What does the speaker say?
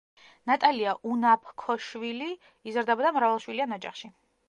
ნატალია უნაფქოშვილი იზრდებოდა მრავალშვილიან ოჯახში.